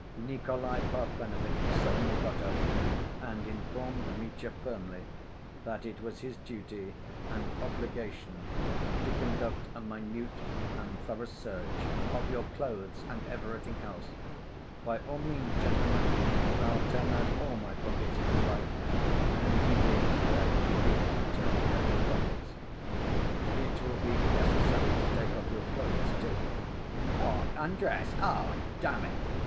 Nikolay Parfenovitch suddenly got up, and informed Mitya firmly that it was his duty and obligation to conduct a minute and thorough search "of your clothes and everything else...." "By all means, gentlemen. I'll turn out all my pockets, if you like." And he did, in fact, begin turning out his pockets. "It will be necessary to take off your clothes, too." "What! Undress? Ugh! Damn it!